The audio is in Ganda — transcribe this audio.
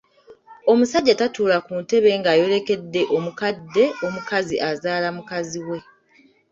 Omusajja tatuula ku ntebe ng’ayolekedde omukadde omukazi azaala mukazi we.